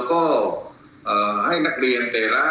ขอบคุณทุกคน